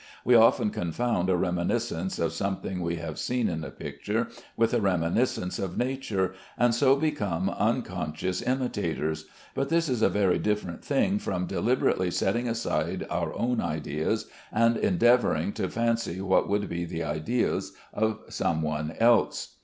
We often confound a reminiscence of something we have seen in a picture with a reminiscence of nature, and so become unconscious imitators; but this is a very different thing from deliberately setting aside our own ideas and endeavoring to fancy what would be the ideas of some one else.